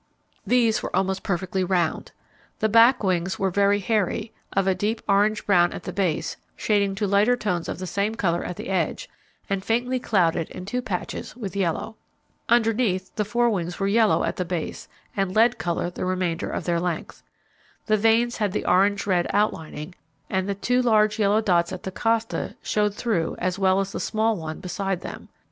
These were almost perfectly round. The back wings were very hairy, of a deep orange brown at the base, shading to lighter tones of the same colour at the edge, and faintly clouded in two patches with yellow. Underneath the fore wings were yellow at the base, and lead colour the remainder of their length. The veins had the orange red outlining, and the two large yellow dots at the costa showed through as well as the small one beside them.